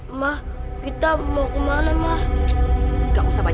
udah sana berangkat nanti terlambat